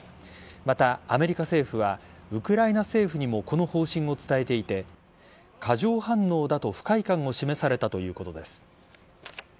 また、アメリカ政府はウクライナ政府にもこの方針を伝えていて過剰反応だと不快感を示されたということです。